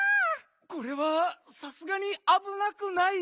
これはさすがにあぶなくない？